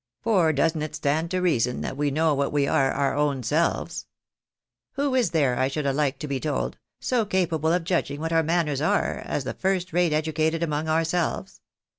For doesn't it stand to reason that we know what we are our own selves ? Who is there, I should alike to be told, so capable of judging what our manners are, as the first rate educated among ourselves?